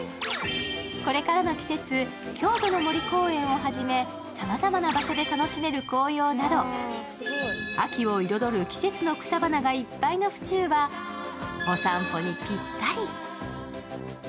これからの季節、郷土の森公園をはじめさまざまな場所で楽しめる紅葉など、秋を彩る季節の草花がいっぱいの府中はお散歩にぴったり。